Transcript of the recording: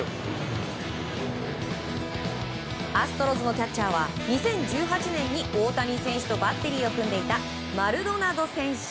アストロズのキャッチャーは２０１８年に大谷翔平とバッテリーを組んでいたマルドナド選手。